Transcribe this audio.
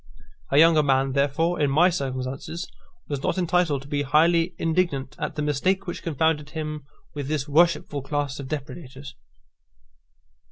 A young man, therefore, in my circumstances was not entitled to be highly indignant at the mistake which confounded him with this worshipful class of depredators.